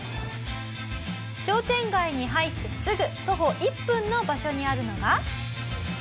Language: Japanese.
商店街に入ってすぐ徒歩１分の場所にあるのが。